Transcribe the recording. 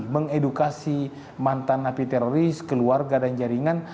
mengedukasi mantan napi teroris keluarga dan jaringan